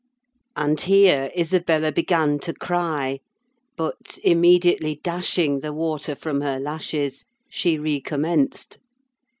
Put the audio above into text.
And here Isabella began to cry; but, immediately dashing the water from her lashes, she recommenced.